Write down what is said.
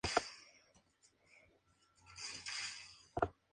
Jean Maximilien tuvo una excelente educación.